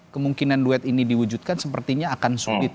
kemungkinan duet ini diwujudkan sepertinya akan sulit